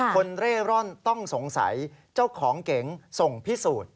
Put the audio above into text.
เร่ร่อนต้องสงสัยเจ้าของเก๋งส่งพิสูจน์